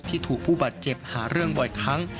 ที่ถูกผู้บาดเจ็บหาเรื่องบ่อยครั้ง